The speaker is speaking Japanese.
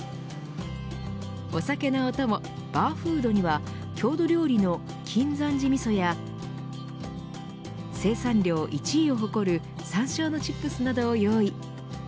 お酒のお供バーフードには郷土料理の金山寺味噌や生産量１位を誇る山椒のチップスなどを用意。